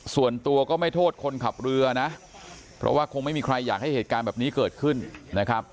ส่วนตัวก็ไม่โทษคนขับเรือนะเพราะว่าคงไม่มีใครอยากให้เหตุการณ์แบบนี้เกิดขึ้นนะครับ